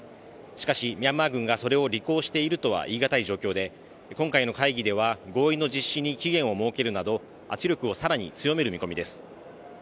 しかしミャンマー軍がそれを履行しているとは言い難い状況で今回の会議では合意の実施に期限を設けるなど圧力をさらに強める見込みです